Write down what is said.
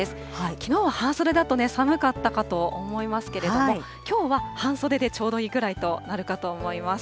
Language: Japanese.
きのうは半袖だとね、寒かったかと思いますけれども、きょうは半袖でちょうどいいぐらいとなるかと思います。